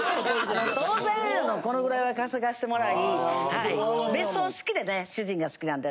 当然この位は稼がしてもらい別荘好きでね主人が好きなんで。